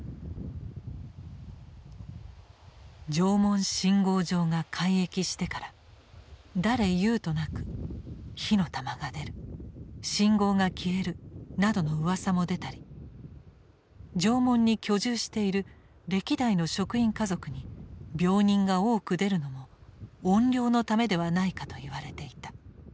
「常紋信号場が開駅してから誰れ言うとなく『火の玉が出る』『信号が消える』などの噂も出たり常紋に居住している歴代の職員家族に病人が多く出るのも怨霊のためではないかと言われていた。